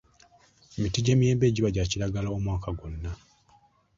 Emiti gy'emiyembe giba gya kiragala omwaka gwonna.